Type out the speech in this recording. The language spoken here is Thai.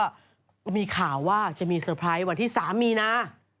ก็มีข่าวว่าจะมีเซอร์ไพรส์วันที่๓มีนา